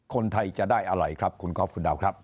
คนไทยจะได้อะไรครับคุณก๊อฟคุณดาวครับ